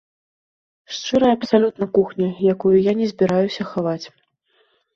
Шчырая абсалютна кухня, якую я не збіраюся хаваць.